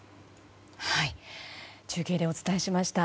中継でお伝えしました。